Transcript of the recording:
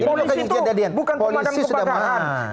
polisi itu bukan pemadam kepakaian